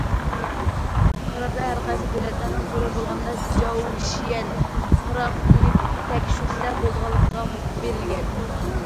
قاراردا ھەرقايسى دۆلەتلەرنىڭ زۆرۈر بولغاندا چاۋشيەن پاراخوتىنى تەكشۈرسە بولىدىغانلىقىغا ھوقۇق بېرىلگەن.